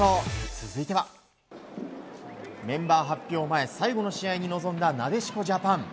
続いては、メンバー発表前最後の試合に臨んだなでしこジャパン。